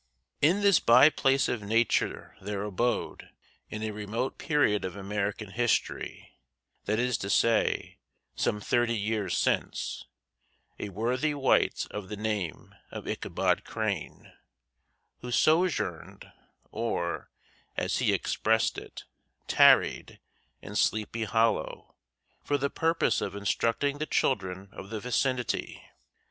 In this by place of Nature there abode, in a remote period of American history that is to say, some thirty years since a worthy wight of the name of Ichabod Crane, who sojourned, or, as he expressed it, "tarried," in Sleepy Hollow for the purpose of instructing the children of the vicinity.